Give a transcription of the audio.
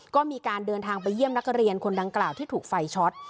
ก็มีการเดินทางไปเยี่ยมนักเรียนคนดังกล่าวที่ถูกไฟช็อต